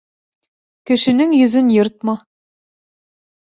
Кешенең йөҙөн йыртма.